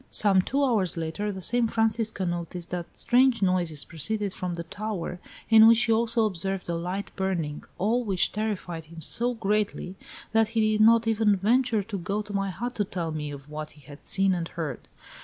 Some two hours later the same Francisco noticed that strange noises proceeded from the tower, in which he also observed a light burning, all which terrified him so greatly, that he did not even venture to go to my hut to tell me of what he had seen and heard.